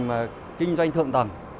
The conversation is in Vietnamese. mà kinh doanh thượng tầng